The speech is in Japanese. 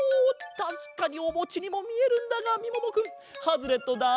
たしかにおもちにもみえるんだがみももくんハズレットだ。